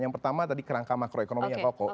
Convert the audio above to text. yang pertama tadi kerangka makroekonomi yang kokoh